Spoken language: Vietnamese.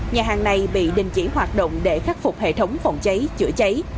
nhà hàng này bị đình chỉ hoạt động để khắc phục hệ thống phòng cháy chữa cháy